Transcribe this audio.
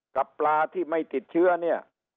กับปลาที่ไม่ติดเชื้อเนี่ย